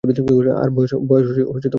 তার বয়স খুবই কম।